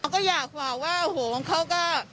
ก็อยากบอกว่าหัวของเขาก็